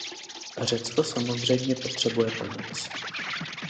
Řecko samozřejmě potřebuje pomoc.